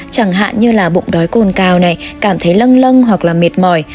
chẳng hạn như là bụng đói cồn cào này cảm thấy lâng lâng hoặc là mệt mỏi